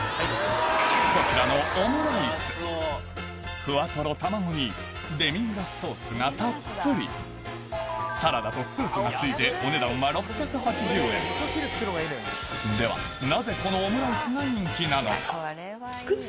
こちらのふわとろ卵にデミグラスソースがたっぷりサラダとスープが付いてお値段はではなぜこのオムライスが人気なのか？